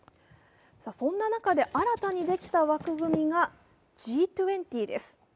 そんな中で新たにできた枠組みがＧ２０です。